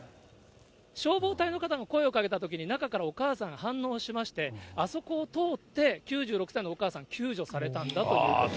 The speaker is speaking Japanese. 消防隊の方が声をかけたときに、中からお母さん、反応しまして、あそこを通って９６歳のお母さん、救助されたんだということなんですね。